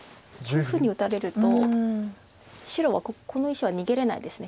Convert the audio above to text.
こういうふうに打たれると白はこの石は逃げれないです